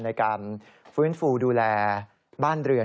ในการฟื้นฟูดูแลบ้านเรือน